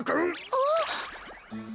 あっ！